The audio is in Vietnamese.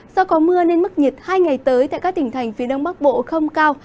do có mưa nên mức nhiệt hai ngày tới tại các tỉnh thành phía đông bắc bộ không cao